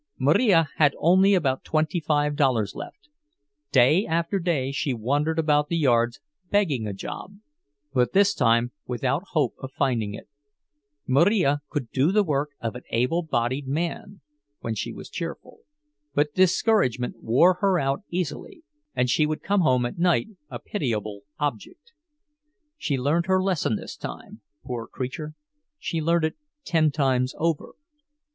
Marija had only about twenty five dollars left. Day after day she wandered about the yards begging a job, but this time without hope of finding it. Marija could do the work of an able bodied man, when she was cheerful, but discouragement wore her out easily, and she would come home at night a pitiable object. She learned her lesson this time, poor creature; she learned it ten times over.